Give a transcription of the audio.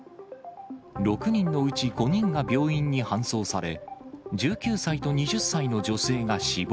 ６人のうち５人が病院に搬送され、１９歳と２０歳の女性が死亡。